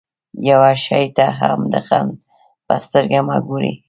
يوه شي ته هم د خنډ په سترګه مه ګورئ.